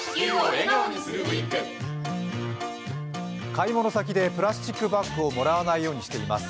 買い物先でプラスチックバッグをもらわないようにしています。